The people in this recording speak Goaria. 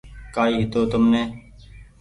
ڪآئي هيتو تمني